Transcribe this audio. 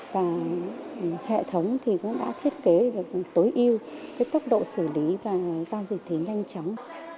và hệ thống cũng đã thiết kế tối ưu tốc độ xử lý và giao dịch thấy nhanh chóng